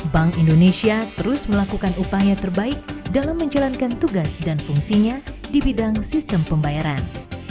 bank indonesia terus melakukan upaya terbaik dalam menjalankan tugas dan fungsinya di bidang sistem pembayaran